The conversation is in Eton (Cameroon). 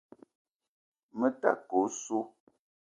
Me ta ke osso.